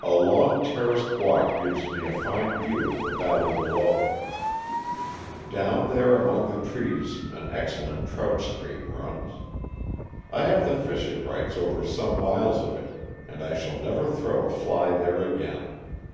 A long terraced walk gives me a fine view of the valley below. Down there among the trees an excellent trout stream runs. I have the fishing rights over some miles of it, and I shall never throw a fly there again.